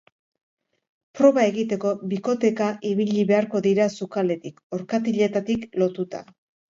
Proba egiteko, bikoteka ibili beharko dira sukaldetik, orkatiletatik lotuta.